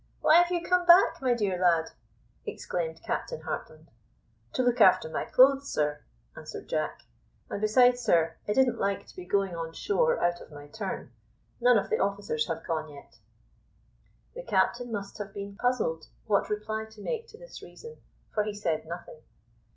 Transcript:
why have you come back, my dear lad?" exclaimed Captain Hartland. "To look after my clothes, sir," answered Jack; "and besides, sir, I didn't like to be going on shore out of my turn; none of the officers have gone yet." The captain must have been puzzled what reply to make to this reason, for he said nothing.